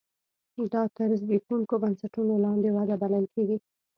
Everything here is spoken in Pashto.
دا تر زبېښونکو بنسټونو لاندې وده بلل کېږي.